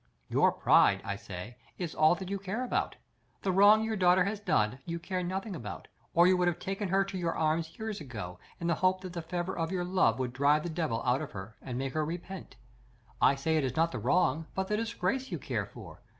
Your pride, I say, is all that you care about. The wrong your daughter has done, you care nothing about; or you would have taken her to your arms years ago, in the hope that the fervour of your love would drive the devil out of her and make her repent. I say it is not the wrong, but the disgrace you care for.